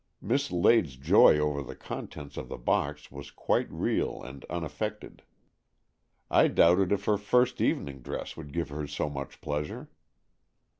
Miss Lade's joy over the contents of the box was quite real and unaffected. I doubted if her first evening dress would give her so much pleasure.